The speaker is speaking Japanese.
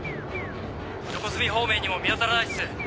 横須海方面にも見当たらないっす。